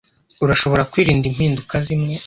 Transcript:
Urashobora kwirinda impinduka zimwe?